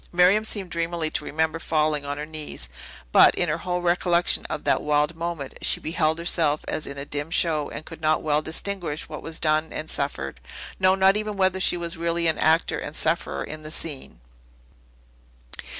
Miriam seemed dreamily to remember falling on her knees; but, in her whole recollection of that wild moment, she beheld herself as in a dim show, and could not well distinguish what was done and suffered; no, not even whether she were really an actor and sufferer in the scene.